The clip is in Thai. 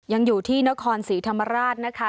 ยังอยู่ที่นครศรีธรรมราชนะคะ